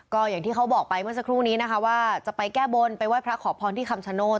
ก็อย่างที่เขาบอกไปเมื่อสักครู่นี้นะคะว่าจะไปแก้บนไปไหว้พระขอพรที่คำชโนธ